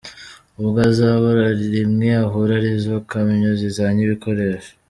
Ubwo azabura rimwe ahura n’izo kamyo zizanye ibikoresho ?.